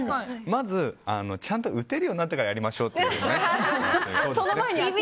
まず、ちゃんと打てるようになってからやりましょうと。